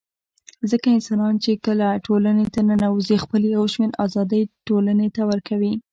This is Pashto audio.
ځکه انسانان چي کله ټولني ته ننوزي خپل يو شمېر آزادۍ ټولني ته ورکوي